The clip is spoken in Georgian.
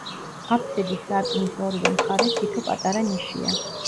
აფსიდის სარკმლის ორივე მხარეს თითო პატარა ნიშია.